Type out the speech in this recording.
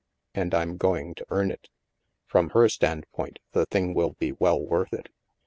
And I'm going to earn it. From her standpoint, the thing will be well worth it."